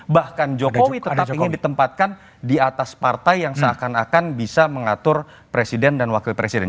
bahkan jokowi tetap ingin ditempatkan di atas partai yang seakan akan bisa mengatur presiden dan wakil presiden